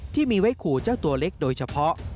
ที่มีไว้ขู่เจ้าตัวเล็กโดยเฉพาะ